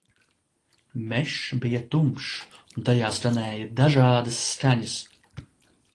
Mežs bija tumšs un tajā skanēja dažādas skaņas